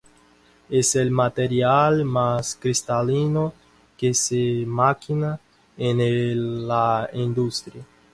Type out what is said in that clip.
Es el material más cristalino que se maquina en la industria.